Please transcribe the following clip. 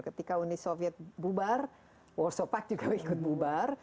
ketika uni soviet bubar warsaw pact juga ikut bubar